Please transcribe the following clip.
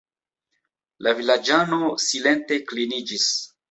La vilaĝano silente kliniĝis.